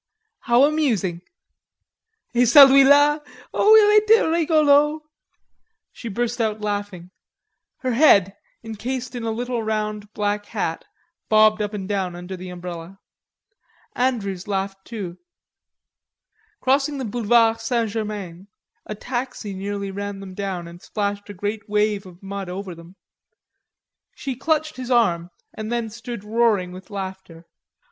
"How amusing!" "Et celui la! O il etait rigolo...." She burst out laughing; her head, encased in a little round black hat, bobbed up and down under the umbrella. Andrews laughed too. Crossing the Boulevard St. Germain, a taxi nearly ran them down and splashed a great wave of mud over them. She clutched his arm and then stood roaring with laughter.